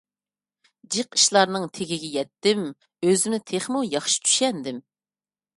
جىق ئىشلارنىڭ تېگىگە يەتتىم، ئۆزۈمنى تېخىمۇ ياخشى چۈشەندىم.